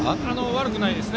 悪くないです。